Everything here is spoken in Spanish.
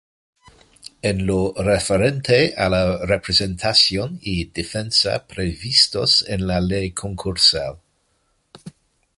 En lo referente a la representación y defensa previstos en la Ley Concursal.